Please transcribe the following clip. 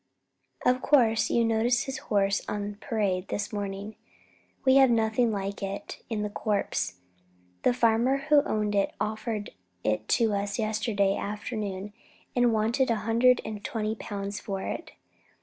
Of course you noticed his horse on parade this morning; we have nothing like it in the Corps. The farmer who owned it offered it to us yesterday afternoon, and wanted a hundred and twenty pounds for it.